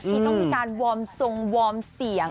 ที่ต้องมีการวอร์มทรงวอร์มเสียง